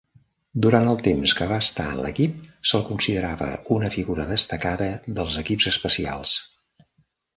Durant el temps que va estar en l'equip, se'l considerava una figura destacada dels equips especials.